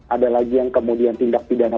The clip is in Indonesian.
ada lagi yang kemudian tindak pidana